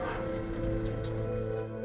sekarang referensi berjualan di burung tanah